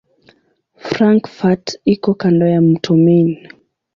Frankfurt iko kando la mto Main.